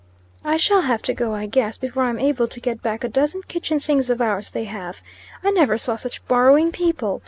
"I shall have to go, I guess, before I'm able to get back a dozen kitchen things of ours they have. I never saw such borrowing people.